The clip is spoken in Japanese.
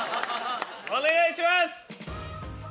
お願いします！